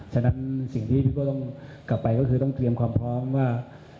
ฉะนั้นสิ่งที่พี่โก้ต้องกลับไปก็คือต้องเตรียมความพร้อมว่า